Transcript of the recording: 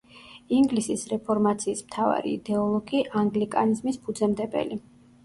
ინგლისის რეფორმაციის მთავარი იდეოლოგი, ანგლიკანიზმის ფუძემდებელი.